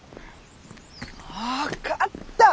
分かった！